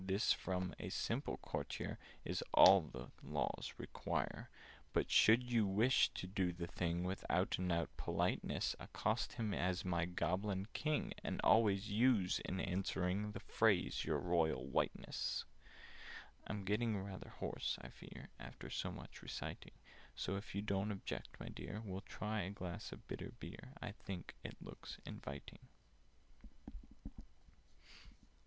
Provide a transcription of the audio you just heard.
This, from a simple courtier, Is all the Laws require: "But, should you wish to do the thing With out and out politeness, Accost him as 'My Goblin King! And always use, in answering, The phrase 'Your Royal Whiteness!' "I'm getting rather hoarse, I fear, After so much reciting: So, if you don't object, my dear, We'll try a glass of bitter beer— I think it looks inviting."